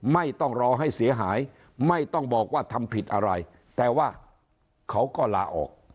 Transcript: ไม่ต้องรอให้เสียหายไม่ต้องบอกว่าทำผิดอะไรแต่ว่าเขาก็ลาออก